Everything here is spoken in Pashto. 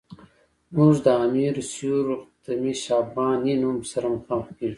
موږ د امیر سیورغتمش افغانی نوم سره مخامخ کیږو.